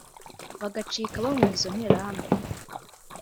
Bagacika bahunga izo nterahamwe